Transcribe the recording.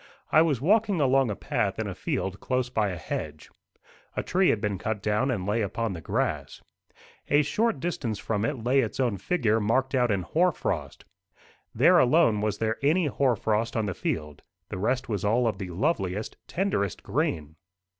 I was walking along a path in a field close by a hedge. A tree had been cut down, and lay upon the grass. A short distance from it lay its own figure marked out in hoar frost. There alone was there any hoar frost on the field; the rest was all of the loveliest tenderest green.